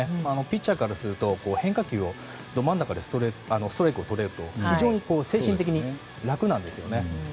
ピッチャーからすると変化球ど真ん中でストライクを取れると非常に精神的に楽なんですよね。